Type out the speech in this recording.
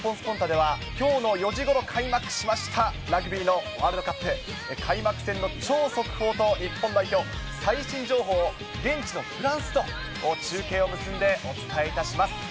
ではきょうの４時ごろ開幕しました、ラグビーのワールドカップ、開幕戦の超速報と、日本代表最新情報を、現地のフランスと中継を結んでお伝えいたします。